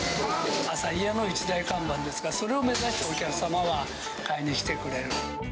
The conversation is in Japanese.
旭屋の一大看板ですから、それを目指して、お客様は買いに来てくれる。